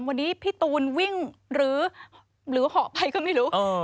วันนี้พี่ตูนวิ่งหรือขออภัยก็ไม่รู้